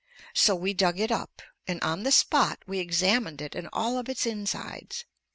So we dug it up, and on the spot we examined it and all of its insides.